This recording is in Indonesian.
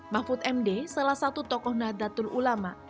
mahfud md salah satu tokoh nahdlatul ulama